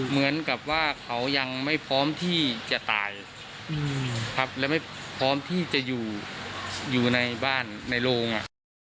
เหมือนกับว่าเขายังไม่พร้อมที่จะตายครับและไม่พร้อมที่จะอยู่อยู่ในบ้านในโรงอ่ะ